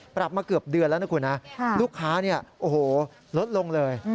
ปรับมาเกือบเดือนแล้วนะคุณนะลูกค้าเนี่ยโอ้โหลดลงเลย